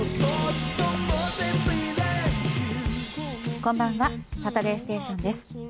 こんばんは「サタデーステーション」です。